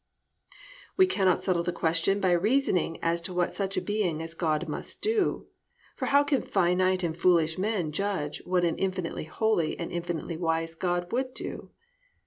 We cannot settle the question by reasoning as to what such a being as God must do, for how can finite and foolish man judge what an infinitely holy and infinitely wise God would do?